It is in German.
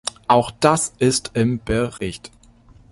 Auch das ist im Bericht.